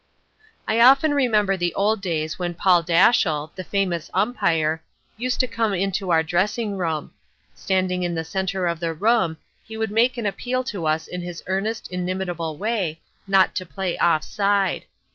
I often remember the old days when Paul Dashiell, the famous Umpire, used to come into our dressing room. Standing in the center of the room, he would make an appeal to us in his earnest, inimitable way, not to play off side.